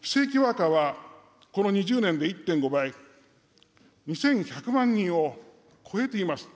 非正規ワーカーはこの２０年で１．５倍、２１００万人を超えています。